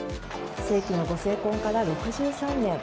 世紀のご成婚から６３年。